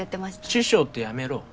師匠ってやめろ。